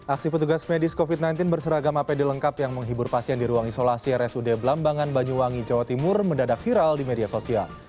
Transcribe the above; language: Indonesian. aksi petugas medis covid sembilan belas berseragam apd lengkap yang menghibur pasien di ruang isolasi rsud belambangan banyuwangi jawa timur mendadak viral di media sosial